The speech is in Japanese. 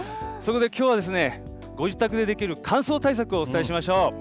そこできょうは、ご自宅でできる乾燥対策をお伝えしましょう。